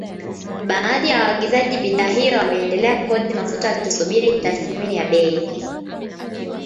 Baadhi ya waagizaji bidhaa hiyo wameendelea kuhodhi mafuta wakisubiri tathmini ya bei